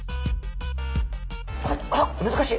あっ難しい。